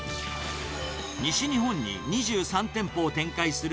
西日本に２３店舗を展開する